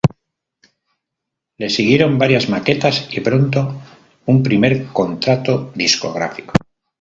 Le siguieron varias maquetas y pronto un primer contrato discográfico.